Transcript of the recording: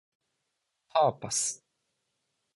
パーパス